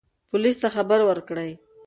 پولیس ته خبر ورکړئ.